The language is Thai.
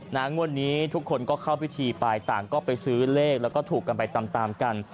นางวันนี้ทุกคนก็เข้าพิธีปลายต่างก้ไปซื้อเลขแล้วก็ถูกไปตามกัน